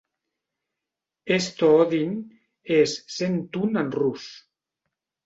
"Sto Odin" és "cent un" en rus.